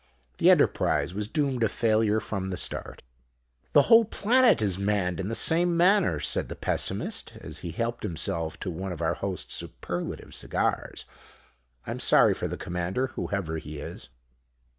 The enterprise was doomed to failure from the start." "The whole planet is manned in the same manner," said the Pessimist, as he helped himself to one of our Host's superlative cigars. "I'm sorry for the Commander, whoever he is."